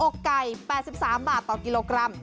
อกไก่๘๓บาทต่อกิโลกรัม